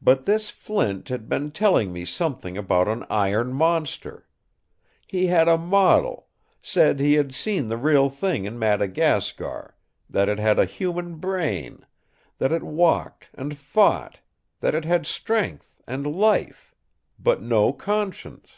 But this Flint had been telling me something about an iron monster. He had a model said he had seen the real thing in Madagascar, that it had a human brain, that it walked and fought, that it had strength and life but no conscience.